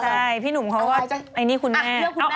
ใช่พี่หนุ่มเขาก็ไอ้นี่คุณแม่